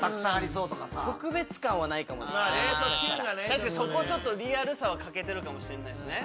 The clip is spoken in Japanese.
確かにそこリアルさは欠けてるかもしんないですね。